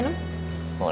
seperti kata kota